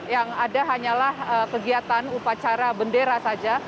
yang ada hanyalah kegiatan upacara bendera saja